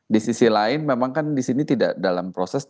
di sisi lain memang kan di sini tidak dalam proses